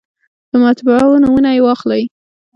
د مطبعو نومونه یې واخلئ.